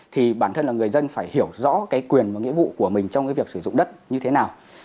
thì bản thân là người dân phải hiểu rõ cái quyền và nghĩa vụ của mình trong cái việc sử dụng đất như thế nào